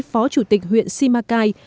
phó chủ tịch huyện simacai